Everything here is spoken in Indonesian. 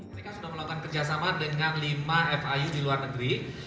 mereka sudah melakukan kerjasama dengan lima fiu di luar negeri